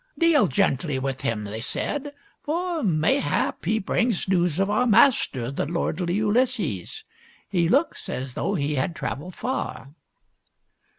" Deal gently with him," they said ;" for mayhap he brings news of our master, the lordly Ulysses. He looks as though he had traveled far."